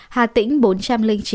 hà tĩnh bốn trăm linh chín